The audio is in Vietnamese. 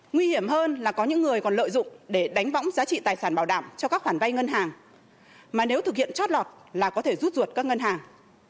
nguy hiểm hơn là có những người còn lợi dụng để đánh võng giá trị tài sản bảo đảm cho các khoản vay ngân hàng mà nếu thực hiện trót lọt là có thể rút ruột các ngân hàng